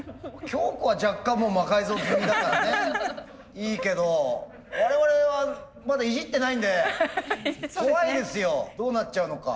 きょうこは若干もう魔改造気味だからねいいけど我々はまだいじってないんで怖いですよどうなっちゃうのか。